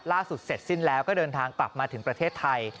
เสร็จสิ้นแล้วก็เดินทางกลับมาถึงประเทศไทย